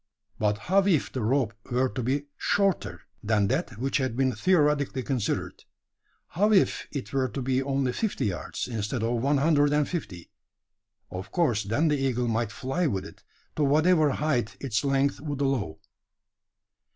But how if the rope were to be shorter, than that which had been theoretically considered? How if it were to be only fifty yards, instead of one hundred and fifty? Of course, then the eagle might fly with it, to whatever height its length would allow.